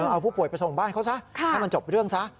เอาผู้ป่วยไปส่งบ้านเขาซะให้มันจบเรื่องซะ